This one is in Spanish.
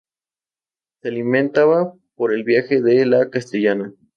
Se alimentaba por el viaje de la Castellana.